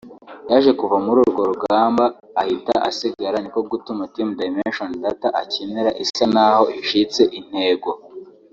yaje kuva muri urwo rugamba ahita asigara niko gutuma Team Dimension Data akinira isa naho icitse intego